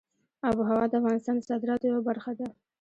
آب وهوا د افغانستان د صادراتو یوه برخه ده.